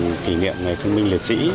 đến dịp kỷ niệm người thân minh liệt sĩ